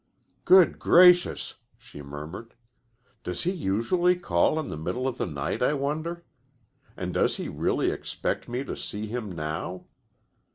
"Good gracious!" she murmured, "does he usually call in the middle of the night, I wonder? And does he really expect me to see him now?"